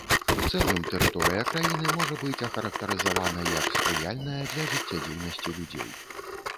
У цэлым тэрыторыя краіны можа быць ахарактарызавана як спрыяльная для жыццядзейнасці людзей.